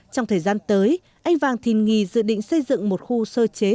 trong thời gian tới anh vàng thìn nghi dự định xây dựng một khu sơ chế sản xuất